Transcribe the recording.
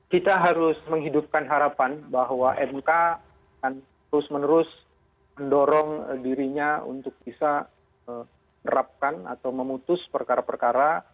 kita harus menghidupkan harapan bahwa mk akan terus menerus mendorong dirinya untuk bisa menerapkan atau memutus perkara perkara